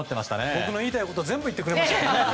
僕の言いたいこと全部言ってくれましたね。